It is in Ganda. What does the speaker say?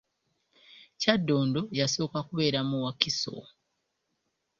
Kyaddondo yasooka kubeera mu Wakiso.